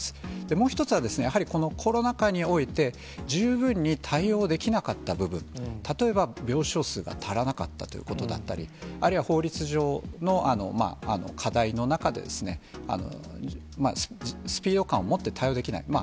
もう一つはですね、やはりこのコロナ禍において、十分に対応できなかった部分、例えば病床数が足らなかったということだったり、あるいは法律上の課題の中、スピード感を持って対応できない。